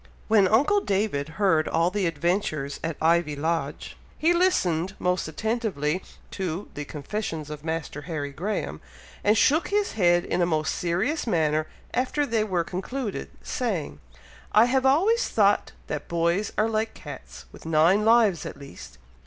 When uncle David heard all the adventures at Ivy Lodge, he listened most attentively to "the confessions of Master Harry Graham," and shook his head in a most serious manner after they were concluded, saying, "I have always thought that boys are like cats, with nine lives at least!